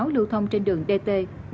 lưu thông trên đường dt bảy trăm bốn mươi ba